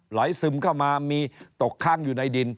ซึมเข้ามามีตกค้างอยู่ในดิน